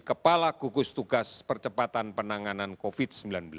kepala gugus tugas percepatan penanganan covid sembilan belas